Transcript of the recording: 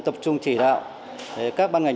tập trung chỉ đạo các ban ngành